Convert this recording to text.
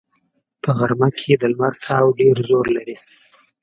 په غرمه کې د لمر تاو ډېر زور لري